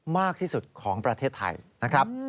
มากที่สุดของประเทศไทยนะครับ